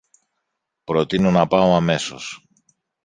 προτείνω να πάω αμέσως